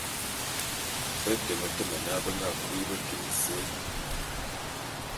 E temetem na, be nga kui beta ôsôé.